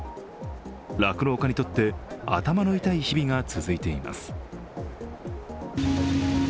酪農家にとって頭の痛い日々が続いています。